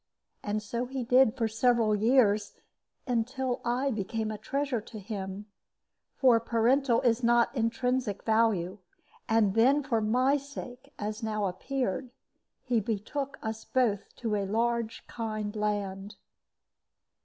And so he did for several years, until I became a treasure to him for parental is not intrinsic value and then, for my sake, as now appeared, he betook us both to a large kind land.